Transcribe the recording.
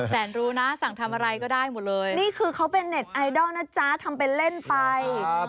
แสนรู้นะสั่งทำมารับอาทิตย์นะครับ